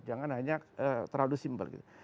jangan hanya terlalu simple gitu